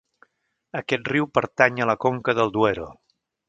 Aquest riu pertany a la conca del Duero.